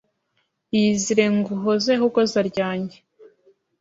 Iyizire nguhoze hogoza ryanjye